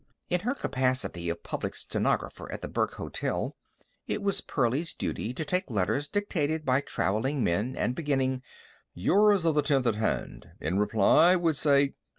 In her capacity of public stenographer at the Burke Hotel, it was Pearlie's duty to take letters dictated by traveling men and beginning: "Yours of the 10th at hand. In reply would say.